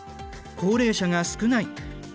高齢者が少ない。